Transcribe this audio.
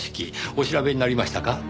お調べになりましたか？